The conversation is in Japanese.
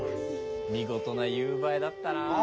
見事な夕映えだったな。